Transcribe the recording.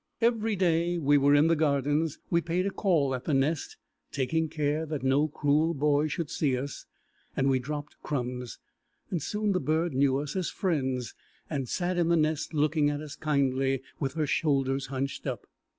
Every day we were in the Gardens we paid a call at the nest, taking care that no cruel boy should see us, and we dropped crumbs, and soon the bird knew us as friends, and sat in the nest looking at us kindly with her shoulders hunched up.